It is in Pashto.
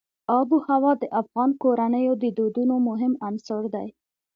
آب وهوا د افغان کورنیو د دودونو مهم عنصر دی.